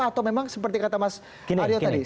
atau memang seperti kata mas aryo tadi